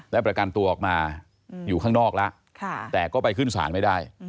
และบรรกันตัวออกมาอยู่ข้างนอกและไปขึ้นสารไม่ได้